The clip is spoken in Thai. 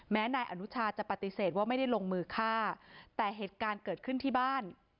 นายอนุชาจะปฏิเสธว่าไม่ได้ลงมือฆ่าแต่เหตุการณ์เกิดขึ้นที่บ้าน